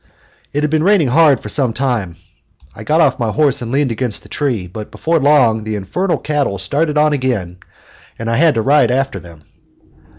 It had been raining hard for some time. I got off my horse and leaned against a tree, but before long the infernal cattle started on again, and I had to ride after them.